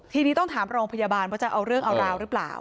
ทีนี้ต้องถามโรงพยาบาลว่าจะเอาเรื่องเอาราวหรือเปล่า